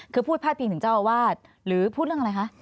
คือพูดพาดพิงถึงเจ้าอาวาสหรือพูดเรื่องอะไรคะ